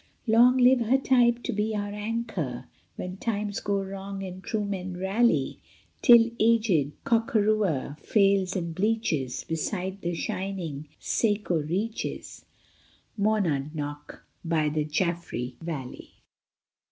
Long live her type, to be our anchor When times go wrong and true men rally, Till aged Chocorua fails and bleaches Beside the shining Saco reaches, Monadnock by the Jaffrey valley.